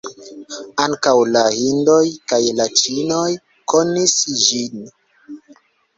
Ankaŭ la hindoj kaj la ĉinoj konis ĝin.